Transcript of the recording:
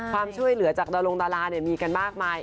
ความช่วยเหลือจากดารงดารามีกันมากมาย